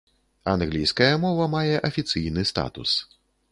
Англійская мова мае афіцыйны статус.